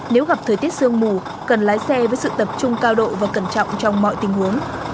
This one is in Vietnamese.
nếu gặp thời tiết sương mù cần lái xe với sự tập trung cao độ và cẩn trọng trong mọi tình huống